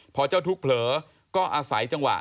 พอเจ้าทุกข์เผลอก็อาศัยจังหวะ